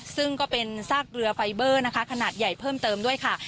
ซึ่งก็เป็นซากเรือไฟเบอร์นะคะขนาดใหญ่เพิ่มเติมด้วยค่ะ